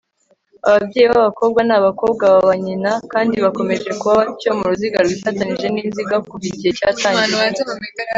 ababyeyi b'abakobwa ni abakobwa ba ba nyina kandi bakomeje kuba batyo, mu ruziga rwifatanije n'inziga, kuva igihe cyatangira